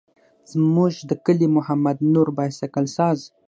زموږ د کلي محمد نور بایسکل ساز.